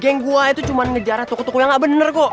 geng gua itu cuma ngejar toko toko yang nggak bener kok